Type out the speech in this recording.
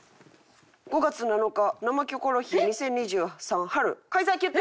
「５月７日生キョコロヒー２０２３春開催決定！」